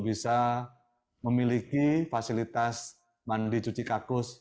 bisa memiliki fasilitas mandi cuci kakus